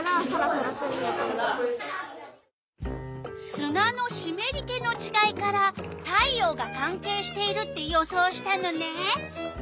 すなのしめり気のちがいから太陽がかんけいしているって予想したのね！